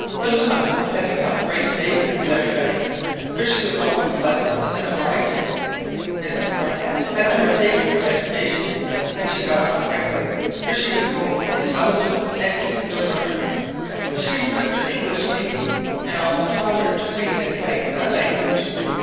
Kalumah had become a great favourite with everybody, for she was always pleasant and obliging. Mrs Barnett had undertaken her education, and she got on quickly, for she was both intelligent and eager to learn. She improved her English speaking, and also taught her to read and write in that language.